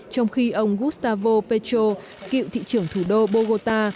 trong khi ông gustavo petro cựu thị trưởng thủ đô bogota